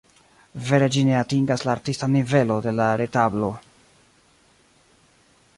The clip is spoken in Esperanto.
Vere ĝi ne atingas la artistan nivelo de la retablo.